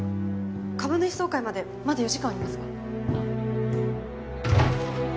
株主総会までまだ４時間ありますが。